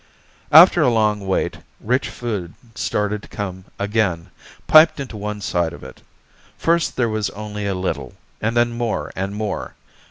After a long wait, rich food started to come again, piped into one side of it. First there was only a little, and then more and more.